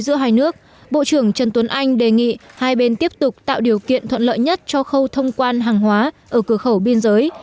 giữa hai nước bộ trưởng trần tuấn anh đề nghị hai bên tiếp tục tạo điều kiện thuận lợi nhất cho khâu thông quan hàng hóa ở cửa khẩu biên giới